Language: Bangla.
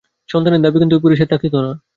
সন্তানদের দাবী কিন্তু ঐ পুরুষের থাকিত না।